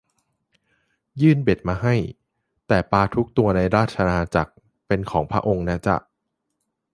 ยื่นเบ็ดมาให้ แต่ปลาทุกตัวในราชอาณาจักรเป็นของพระองค์นะจ๊ะ